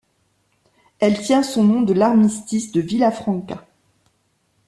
Elle tient son nom de l'armistice de Villafranca.